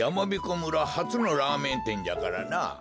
村はつのラーメンてんじゃからな。